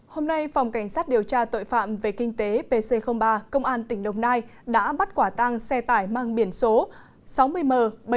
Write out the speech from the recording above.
hôm nay phòng cảnh sát điều tra tội phạm về kinh tế pc ba công an tỉnh đồng nai đã bắt quả tăng xe tải mang biển số sáu mươi m bảy nghìn bốn trăm hai mươi hai